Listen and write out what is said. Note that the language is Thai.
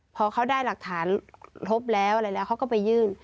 พอเขาได้หลักฐานครบแล้วอะไรแล้วเขาก็ไปยื่น